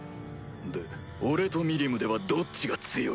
で俺とミリムではどっちが強い？